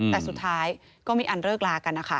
แต่สุดท้ายก็มีอันเลิกลากันนะคะ